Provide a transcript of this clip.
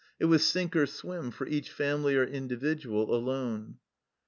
It was sink or swim for each family or individual, alone.